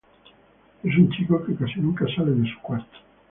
Es un chico que casi nunca sale de su cuarto.